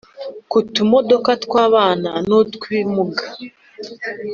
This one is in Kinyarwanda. ku tumodoka tw'abana n'utw'ibimuga